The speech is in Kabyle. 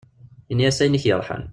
Ini-as ayen ik-yerḥan.